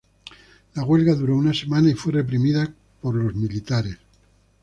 La huelga duró una semana y fue reprimida con militares.